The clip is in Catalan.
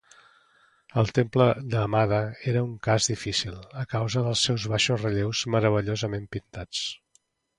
El temple d'Amada era un cas difícil, a causa dels seus baixos relleus meravellosament pintats.